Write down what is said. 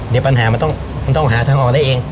เดี๋ยวปัญหามันต้องหาทางออกได้เอง